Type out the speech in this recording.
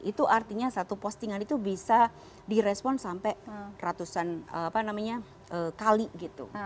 itu artinya satu postingan itu bisa di respon sampai ratusan apa namanya kali gitu